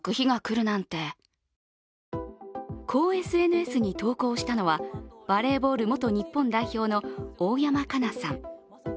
こうＳＮＳに投稿をしたのはバレーボール元日本代表の大山加奈さん。